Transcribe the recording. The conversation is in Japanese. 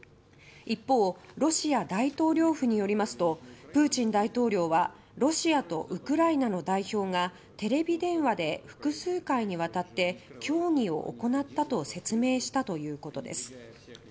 一方ロシア大統領府によりますとプーチン大統領はロシアとウクライナの代表がテレビ電話で複数回にわたって協議を行ったと説明したということです。